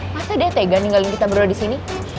masa deh tega ninggalin kita berdua di sini